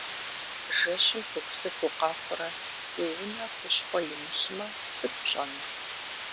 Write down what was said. Жэщым пыхусыху укъэхъурэ уи унэ хущхъуэ имылъмэ, сыт пщӏэнур?